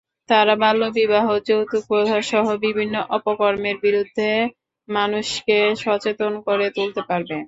তাঁরা বাল্যবিবাহ, যৌতুক প্রথাসহ বিভিন্ন অপকর্মের বিরুদ্ধে মানুষকে সচেতন করে তুলতে পারবে।